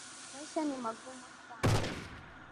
Maisha ni magumu sana